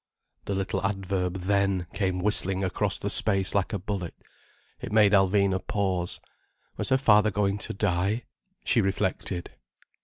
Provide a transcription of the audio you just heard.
The little adverb then came whistling across the space like a bullet. It made Alvina pause. Was her father going to die? She reflected.